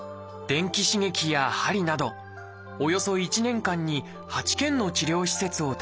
電気刺激やはりなどおよそ１年間に８軒の治療施設を訪ねました。